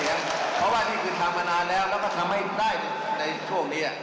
เพราะว่านี่คือทำมานานแล้วแล้วก็ทำให้ได้ในช่วงนี้